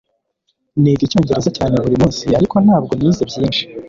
Niga Icyongereza cyane buri munsi ariko ntabwo nize byinshi